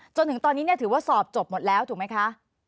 จนถึงตอนนี้ถือว่าสอบจบหมดแล้วถูกไหมคะ